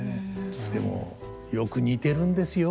でもよく似てるんですよ